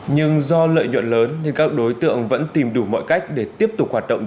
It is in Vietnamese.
nhưng do lợi nhuận lớn nên các đối tượng vẫn tìm đủ mọi cách để tiếp tục hoạt động